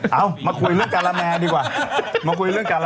เอ้ามาคุยเรื่องกาลาแมร์ดีกว่า